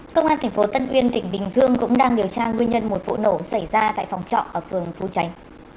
công an tp tân uyên tỉnh bình dương cũng đang điều tra nguyên nhân một vụ nổ xảy ra tại phòng trọ ở phường phú tránh